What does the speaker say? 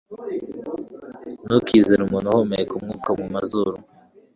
ntukizere umuntu uhumeka umwuka mumazuru